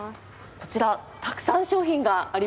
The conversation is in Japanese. こちらたくさん商品がありますね。